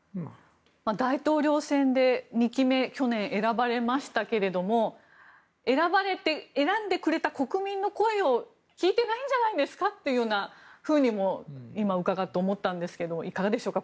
大統領選で２期目、去年選ばれましたが選んでくれた国民の声を聞いてないんじゃないですかっていうふうにも今、伺って思ったんですがいかがでしょうか